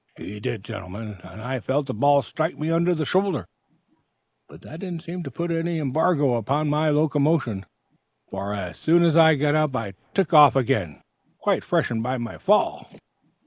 "He did, gentlemen, and I felt the ball strike me under the shoulder; but that didn't seem to put any embargo upon my locomotion, for as soon as I got up I took off again, quite freshened by my fall!